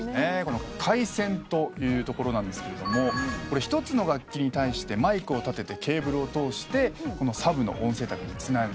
回線というところなんですが１つの楽器に対してマイクを立ててケーブルを通してサブの音声卓につなげる。